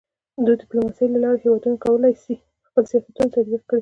د ډيپلوماسۍ له لارې هېوادونه کولی سي خپل سیاستونه تطبیق کړي.